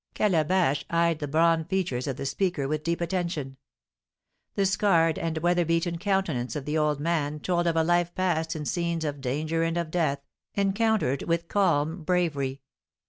Calabash eyed the bronzed features of the speaker with deep attention. The scarred and weather beaten countenance of the old man told of a life passed in scenes of danger and of death, encountered with calm bravery.